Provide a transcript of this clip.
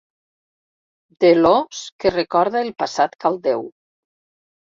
De l'ós que recorda el passat caldeu.